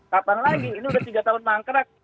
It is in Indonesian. kapan lagi ini udah tiga tahun mangkrak